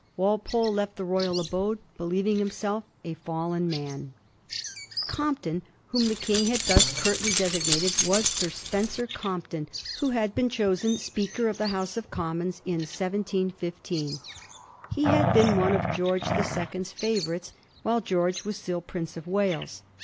Walpole left the royal abode believing himself a fallen man. * Compton,' whom the King had thus curtly desig nated, was Sir Spencer Compton, who had been chosen Speaker of the House of Commons in 1715. He had been one of George the Second's favourites while Digiti zed by Google 1727 . CAROLINE. 361 George was still Prince of Wales.